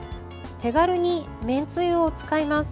手軽にめんつゆを使います。